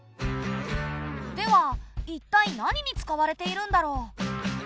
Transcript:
ではいったい何に使われているんだろう？